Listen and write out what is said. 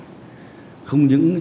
không những cho rằng là một người phụ nữ